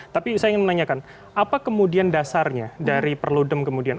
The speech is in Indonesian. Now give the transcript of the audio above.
tapi saya ingin menanyakan apa kemudian dasarnya dari perludem kemudian